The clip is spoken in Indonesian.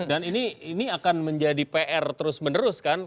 dan ini akan menjadi pr terus menerus kan